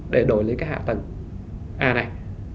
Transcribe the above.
để đổi lấy hạ tầng a này